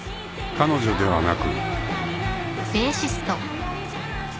［彼ではなく］